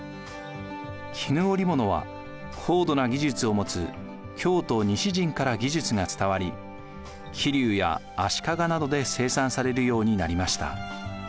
絹織物は高度な技術を持つ京都・西陣から技術が伝わり桐生や足利などで生産されるようになりました。